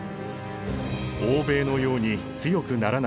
欧米のように強くならなければ。